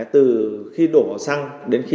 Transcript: từ khi đổ xăng đến khi